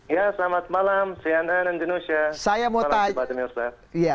ya selamat malam cnn indonesia